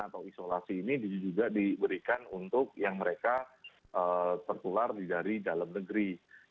atau isolasi ini juga diberikan untuk yang mereka tertular dari dalam negeri